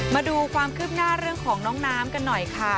มาดูความคืบหน้าเรื่องของน้องน้ำกันหน่อยค่ะ